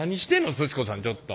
すち子さんちょっと。